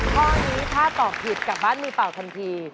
ข้อนี้ถ้าตอบผิดกลับบ้านมือเปล่าทันที